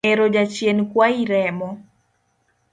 Ero jachien kwayi remo